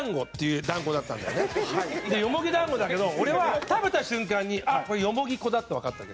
よもぎ団子だけど俺は食べた瞬間にあっこれよもぎ粉だってわかったわけですよ。